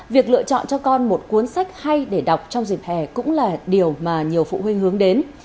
việc lựa chọn cho con một cuốn sách hay để đọc trong dịp hè cũng là điều mà nhiều phụ huynh hướng đến